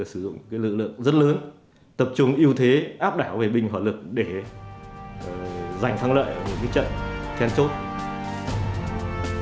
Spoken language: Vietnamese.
sử dụng cái lực lượng rất lớn tập trung ưu thế áp đảo về bình hoạt lực để giành thắng lợi ở cái trận khen chốt